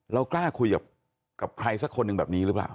เรากล้าคุยกับใครสักคนหนึ่งแบบนี้หรือเปล่า